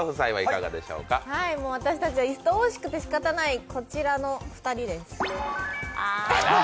私たちはいとおしくてしかたない、こちらの２人です。